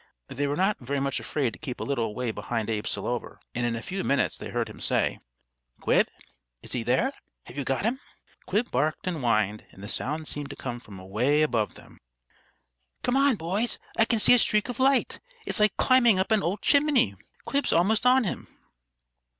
They were not very much afraid to keep a little way behind Abe Selover, and in a few minutes they heard him say: "Quib! Is he there? Have you got him?" Quib barked and whined, and the sound seemed to come from away above them. "Come on, boys! I can see a streak of light. It's like climbing up an old chimney. Quib's almost on him."